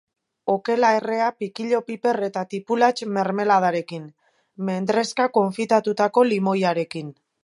Okela errea pikillo piper eta tipulatx mermeladarekin, mendrezka konfitatutako limoiarekin.